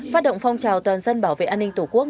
phát động phong trào toàn dân bảo vệ an ninh tổ quốc